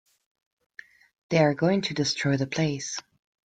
They are going to destroy the place.